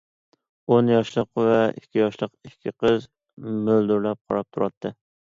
ئون ياشلىق ۋە ئىككى ياشلىق ئىككى قىزى مۆلدۈرلەپ قاراپ تۇراتتى.